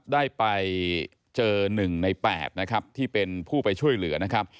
ได้ไปเจอ๑ใน๘นะครับที่เป็นผู้ไปช่วยเหลือนะครับ